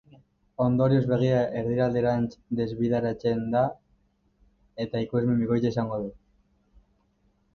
Ondorioz, begia erdialderantz desbideratzen da eta ikusmen bikoitza izango du.